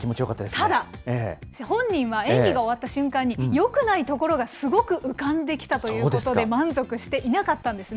ただ、本人は演技が終わった瞬間によくないところがすごく浮かんできたというところで、満足していなかったんですね。